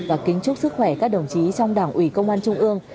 và kính chúc sức khỏe các đồng chí trong đảng ủy công an trung ương